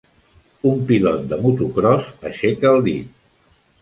un pilot de motocròs aixeca el dit.